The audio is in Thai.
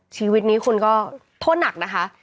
ชีวิตนี้คุณก็โทษหนักนะคะ